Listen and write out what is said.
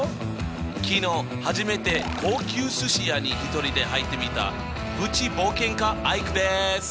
昨日初めて高級すし屋に一人で入ってみたプチ冒険家アイクです！